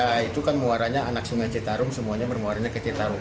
ya itu kan muaranya anak sungai citarum semuanya bermuaranya ke citarum